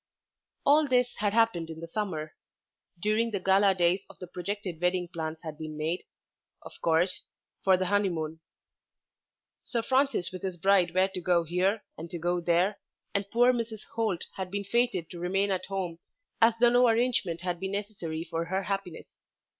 All this had happened in the summer. During the gala days of the projected wedding plans had been made, of course, for the honeymoon. Sir Francis with his bride were to go here and to go there, and poor Mrs. Holt had been fated to remain at home as though no arrangement had been necessary for her happiness.